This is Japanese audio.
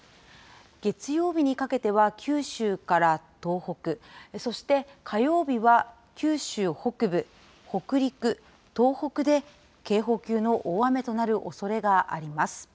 月曜日にかけては、九州から東北、そして、火曜日は、九州北部、北陸、東北で、警報級の大雨となるおそれがあります。